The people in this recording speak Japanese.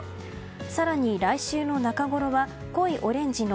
更に、来週の中ごろは濃いオレンジの